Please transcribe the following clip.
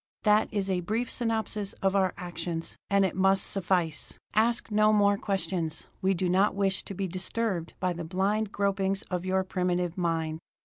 "That is a brief synopsis of our actions and it must suffice! Ask no questions; we do not wish to be disturbed by the blind gropings of your primitive mind!"